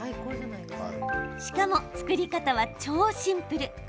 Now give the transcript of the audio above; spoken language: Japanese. しかも、作り方は超シンプル。